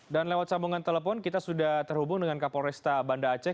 dan lewat sambungan telepon kita sudah terhubung dengan kapolresta banda aceh